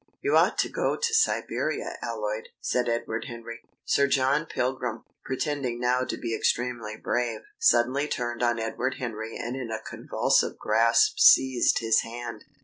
"You ought to go to Siberia, Alloyd," said Edward Henry. Sir John Pilgrim, pretending now to be extremely brave, suddenly turned on Edward Henry and in a convulsive grasp seized his hand.